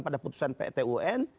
pada putusan pt un